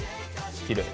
きれい。